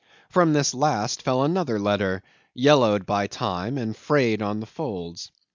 From this last fell another letter, yellowed by time and frayed on the folds.